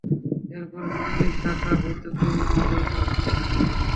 এরপরের চল্লিশাটা হয়তো তুমি আমারই খাবে।